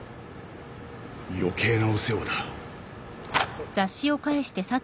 余計なお世話だ。